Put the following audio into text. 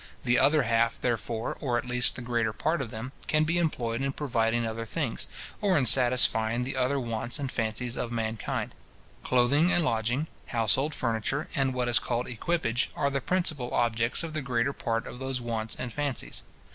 The other half, therefore, or at least the greater part of them, can be employed in providing other things, or in satisfying the other wants and fancies of mankind. Clothing and lodging, household furniture, and what is called equipage, are the principal objects of the greater part of those wants and fancies.